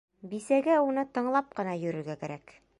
Бисәгә уны тыңлап ҡына йөрөргә кәрәк.